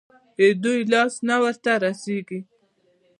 د دوى لاس نه ورته رسېږي.